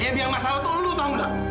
yang biasa masalah tuh lo tau gak